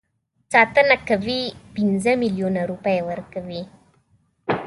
ساتنه کوي پنځه میلیونه روپۍ ورکوي.